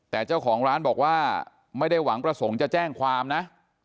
แต่เจ้าของร้านบอกว่าไม่ได้หวังประสงค์จะแจ้งความนะ